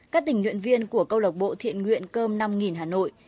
các tỉnh nguyện viên của câu lộc bộ thiện nguyện cơm năm hà nội